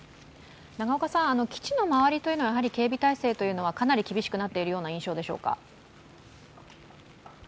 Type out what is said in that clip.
基地の周りは警備態勢はかなり厳しくなっているような印象でしょうか？